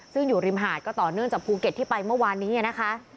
ซึ่งอยู่ริมหาดก็ต่อเนื่องจากภูเก็ตที่ไปเมื่อวานนี้นะคะ